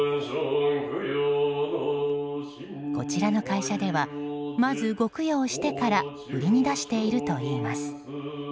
こちらの会社ではまずご供養してから売りに出しているといいます。